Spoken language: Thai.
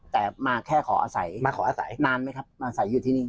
แต่มาแค่ขออาศัยมาขออาศัยนานไหมครับมาใส่อยู่ที่นี่